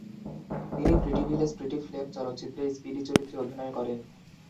তিনি "Pretty Village, Pretty Flame" চলচ্চিত্রে Speedy চরিত্রে অভিনয় করেন।